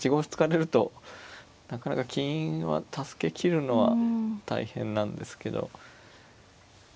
歩突かれるとなかなか金は助け切るのは大変なんですけど。